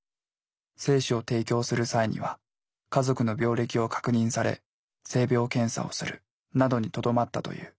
精子を提供する際には家族の病歴を確認され性病検査をするなどにとどまったという。